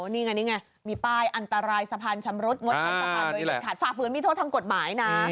นี่ไงนี่ไงมีป้ายอันตรายสะพานชำรุดงดใช้สะพานโดยเด็ดขาดฝ่าฝืนมีโทษทางกฎหมายนะ